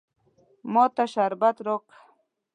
ما ته شربت راکه.